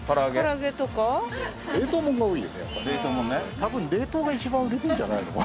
たぶん冷凍が一番売れてんじゃないのかな。